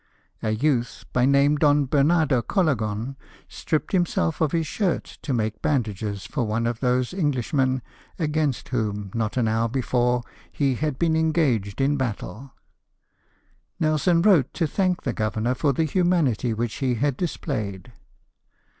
RESULTS OF THE BATTLE. 121 A youth, by name Don Bernardo Collagon, stripped himself of his shirt to make bandages for one of those Englishmen against whom, not an hour before, he had been engaged in battle. Nelson wrote to thank the governor for the humanity which he had dis played.